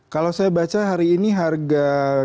kalau saya baca hari ini harga